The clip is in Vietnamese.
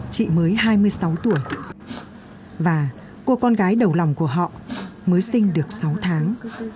chị mới hai mươi sáu tuổi và cô con gái đầu lòng của họ mới sinh được sáu tháng